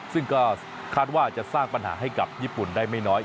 ซึ่งก็คาดว่าจะสร้างปัญหาให้กับญี่ปุ่นได้ไม่น้อย